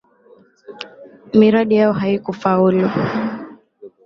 Miradi yao haikufaulu